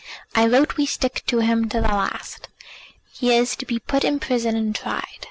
I vote we stick to him to the last. He is to be put in prison and tried.